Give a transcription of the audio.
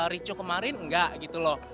ritcho kemarin nggak gitu loh